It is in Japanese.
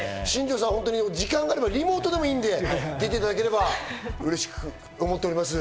時間がなければリモートでもいいので出ていただければうれしく思っております。